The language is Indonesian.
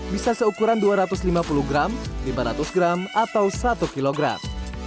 bisa seukuran dua ratus lima puluh gram lima ratus gram atau satu kilogram